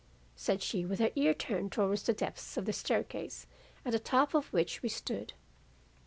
said she with her ear turned towards the depths of the staircase at the top of which we stood.